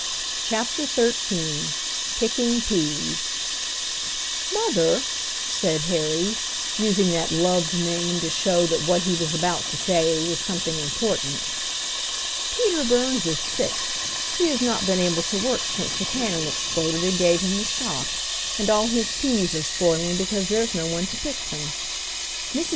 CHAPTER XIII PICKING PEAS "Mother," said Harry, using that loved name to show that what he was about to say was something important, "Peter Burns is sick. He has not been able to work since the cannon exploded and gave him the shock, and all his peas are spoiling because there's no one to pick them. Mrs.